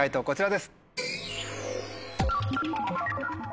こちらです。